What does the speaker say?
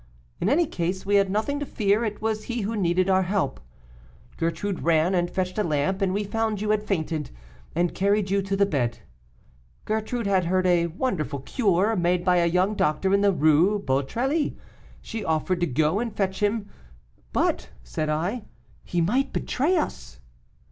In any case we had nothing to fear; it was he who needed our help. Gertrude ran and fetched a lamp, and we found you had fainted, and carried you to the bed. Gertrude had heard of a wonderful cure made by a young doctor in the Rue Beautrellis, and she offered to go and fetch him. 'But,' said I, 'he might betray us.